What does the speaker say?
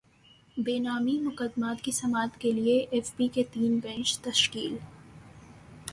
بے نامی مقدمات کی سماعت کیلئے ایف بی کے تین بینچ تشکیل